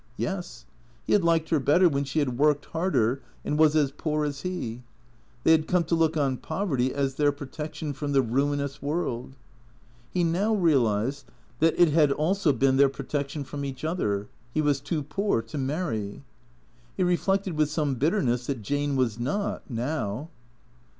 Yes. He had liked her better when she had worked harder and was as poor as he. They had come to look on poverty as their protection from the ruinous world. He now realized that it had also been their protection from each other. He was too poor to marry. He reflected with some bitterness that Jane was not, now.